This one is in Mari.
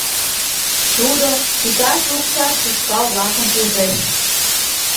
Тудо кӱташ лукшаш ушкал-влакым ужеш